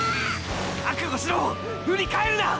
覚悟しろふり返るな！！